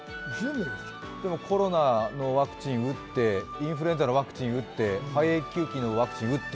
コロナのワクチン打って、インフルエンザのワクチン打って、肺炎球菌のワクチンを打って。